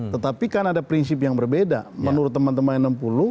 tetapi kan ada prinsip yang berbeda menurut teman teman yang enam puluh